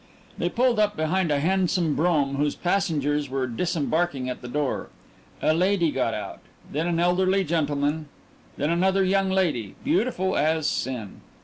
They pulled up behind a handsome brougham whose passengers were disembarking at the door. A lady got out, then an elderly gentleman, then another young lady, beautiful as sin.